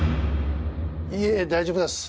いえ大丈夫です。